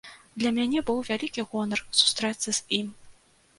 Для мяне быў вялікі гонар сустрэцца з ім.